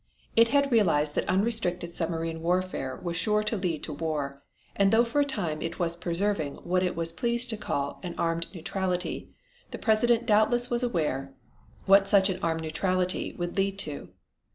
It had realized that unrestricted submarine warfare was sure to lead to war, and though for a time it was preserving what it was pleased to call "an armed neutrality" the President doubtless was well aware what such an "armed neutrality" would lead to.